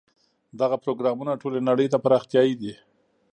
دغه پروګرامونه ټولې نړۍ ته پراختیايي دي.